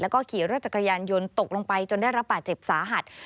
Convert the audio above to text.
แล้วก็ขี่รถจักรยานยนต์ตกลงไปจนได้รับบาดเจ็บสาหัส